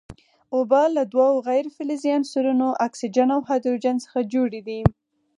اوبه له دوو غیر فلزي عنصرونو اکسیجن او هایدروجن څخه جوړې دي.